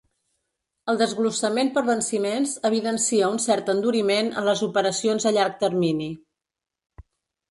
El desglossament per venciments evidencia un cert enduriment en les operacions a llarg termini.